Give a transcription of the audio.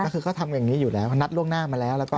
ก็คือเขาทำอย่างนี้อยู่แล้วเขานัดล่วงหน้ามาแล้ว